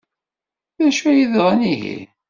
D acu ay yeḍran ihi?